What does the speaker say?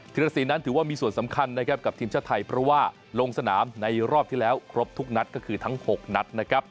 รสินนั้นถือว่ามีส่วนสำคัญนะครับกับทีมชาติไทยเพราะว่าลงสนามในรอบที่แล้วครบทุกนัดก็คือทั้ง๖นัดนะครับ